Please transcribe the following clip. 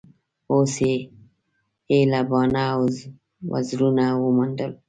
اوس یې ایله باڼه او وزرونه وموندل